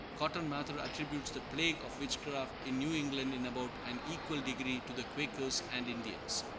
Cotton Mather attributes the plague of witchcraft in New England in about an equal degree to the Quakers and Indians.